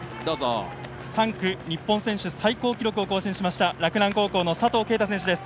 ３区、日本選手最高記録を更新しました洛南高校の佐藤圭汰選手です。